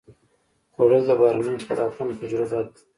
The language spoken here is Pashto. خوړل د بهرنیو خوراکونو تجربه ده